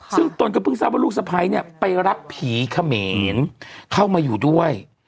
ซึ่งตนก็เพิ่งทราบว่าลูกสะพ้ายเนี่ยไปรับผีเขมรเข้ามาอยู่ด้วย